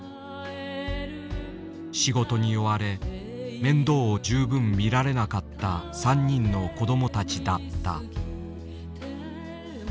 仕事に追われ面倒を十分見られなかった３人の子供たちだった。